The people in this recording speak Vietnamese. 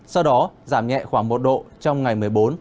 sau đó giảm nhẹ khoảng một độ trong ngày một mươi bốn